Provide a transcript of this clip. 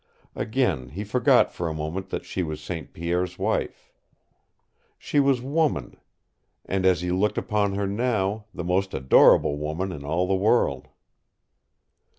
Again he forgot for a moment that she was St. Pierre's wife. She was woman, and as he looked upon her now, the most adorable woman in all the world.